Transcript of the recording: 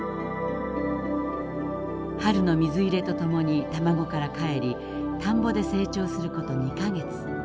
春の水入れとともに卵からかえり田んぼで成長すること２か月。